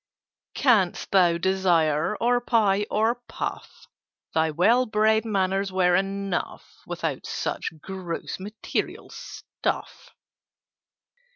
"Canst thou desire or pie or puff? Thy well bred manners were enough, Without such gross material stuff."